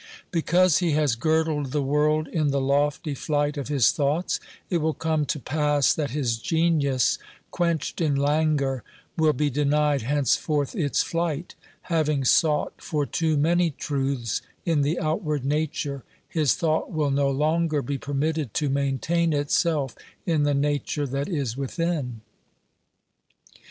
Because he has girdled the world in the lofty flight of his thoughts, it will come to pass that his genius, quenched in languor, will be denied hence forth its flight ; having sought for too many truths in the outward nature, his thought will no longer be permitted to maintain itself in the nature that is within.